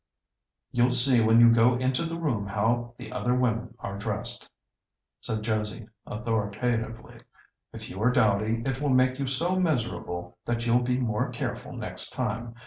"You'll see when you go into the room how the other women are dressed," said Josie authoritatively. "If you're dowdy, it will make you so miserable that you'll be more careful next time.